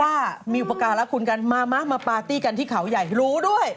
ว่ามีอุปการะคุณกันมามะมาปาร์ตี้กันที่เขาใหญ่รู้ด้วย